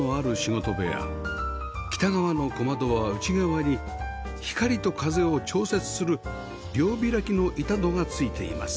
北側の小窓は内側に光と風を調節する両開きの板戸が付いています